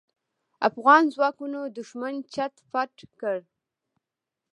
افغان ځواکونو دوښمن چټ پټ کړ.